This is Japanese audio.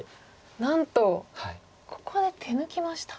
なんとここで手抜きました。